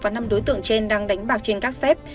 và năm đối tượng trên đang đánh bạc trên các xếp